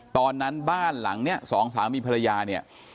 ตอนนั้นบ้านหลังเนี่ยสองสามีภรรยาเนี่ย